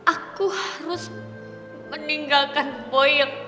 aku harus meninggalkan boy